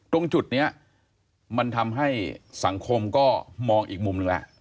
ตรงจุดนี้มันทำให้สังคมก็มองอีกมุมหนึ่งแล้ว